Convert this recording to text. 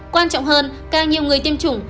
quan trọng hơn càng nhiều người tiêm chủng